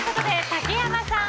竹山さん